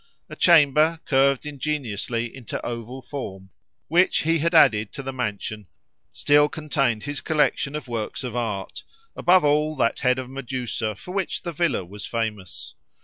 A chamber, curved ingeniously into oval form, which he had added to the mansion, still contained his collection of works of art; above all, that head of Medusa, for which the villa was famous.